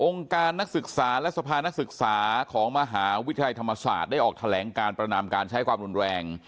การนักศึกษาและสภานักศึกษาของมหาวิทยาลัยธรรมศาสตร์ได้ออกแถลงการประนามการใช้ความรุนแรง